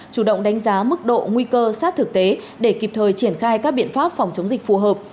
chủ động đánh giá mức độ nguy cơ sát thực tế để kịp thời triển khai các biện pháp phòng chống dịch phù hợp